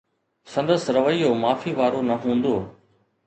سندس رويو معافي وارو نه هوندو.